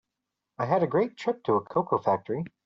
I had a great trip to a cocoa factory.